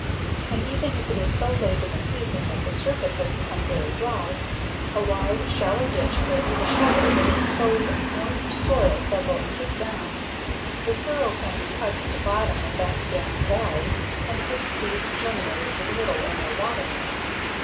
And even if it is so late in the season that the surface has become very dry, a wide, shallow ditch made with a shovel will expose moist soil several inches down. A furrow can be cut in the bottom of that damp "valley" and big seeds germinated with little or no watering.